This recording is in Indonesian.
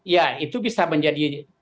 ya itu bisa menjadi